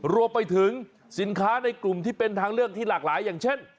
รวมไปถึงสินค้าในกลุ่มที่เป็นทางเลือกที่หลากหลายอย่างเช่น